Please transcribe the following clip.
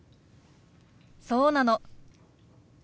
そうなの。